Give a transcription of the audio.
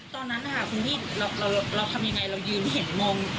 ตอนนั้นนะคะคุณพี่เราทำยังไงเรายืนเห็นงง